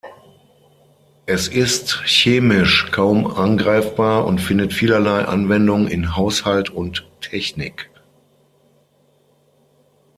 Es ist chemisch kaum angreifbar und findet vielerlei Anwendung in Haushalt und Technik.